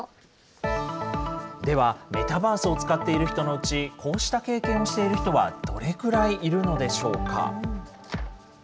では、メタバースを使っている人のうち、こうした経験をしている人はどれくらいいるのでしょうか。